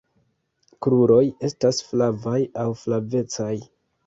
Kruroj estas flavaj aŭ flavecaj.